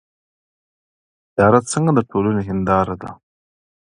اداره څنګه د ټولنې هنداره ده؟